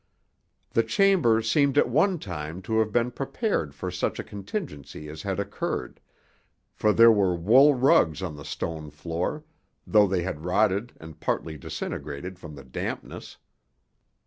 The chamber seemed at one time to have been prepared for such a contingency as had occurred, for there were wool rugs on the stone floor, though they had rotted and partly disintegrated from the dampness.